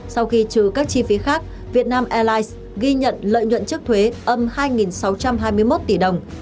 sau khi trừ các chi phí khác vietnam airlines ghi nhận lợi nhuận chức thuế âm hai sáu trăm hai mươi một tỷ đồng